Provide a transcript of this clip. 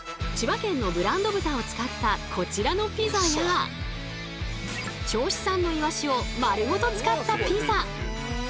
千葉県のブランド豚を使ったこちらのピザや銚子産のイワシを丸ごと使ったピザ。